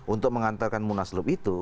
untuk mengantarkan munaslup itu